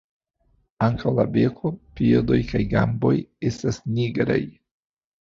Ankaŭ la beko, piedoj kaj gamboj estas nigraj.